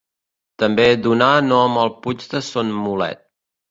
També donà nom al puig de Son Mulet.